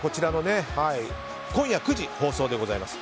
今夜９時放送です。